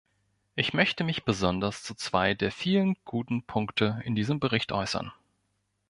Ich möchte mich besonders zu zwei der vielen guten Punkte in diesem Bericht äußern.